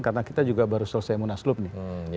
karena kita juga baru selesai munaslup nih